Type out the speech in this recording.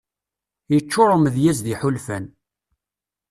Yeččur umedyaz d iḥulfan.